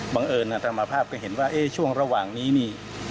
เอิญธรรมภาพก็เห็นว่าช่วงระหว่างนี้นี่